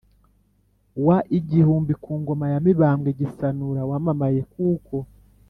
wa igihumbi, ku ngoma ya Mibambwe Gisanura. Wamamaye kuko